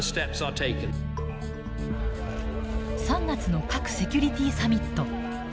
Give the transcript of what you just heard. ３月の核セキュリティサミット。